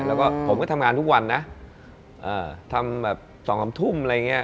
แล้วผมทำงานทุกวันทำแบบ๒๓ทุ่ม